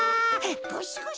ゴシゴシ。